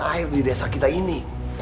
air di desa kita ini